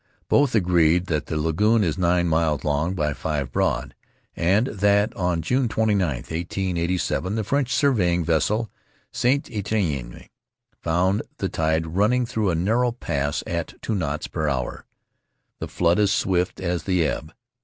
Both agreed that the lagoon is nine miles long by five broad, and that on June 29, 1887, the French surveying vessel, St. Etienne, found the tide running through a narrow pass at two knots per hour, the flood as swift as the ebb.